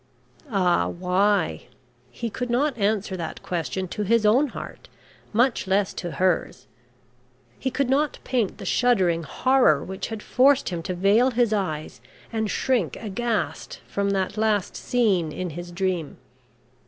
Ah why? He could not answer that question to his own heart, much less to hers. He could not paint the shuddering horror which had forced him to veil his eyes and shrink aghast from that last scene in his Dream.